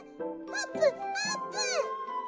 あぷんあーぷん！